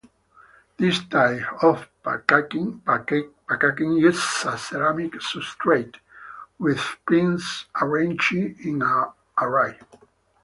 This type of packaging uses a ceramic substrate with pins arranged in an array.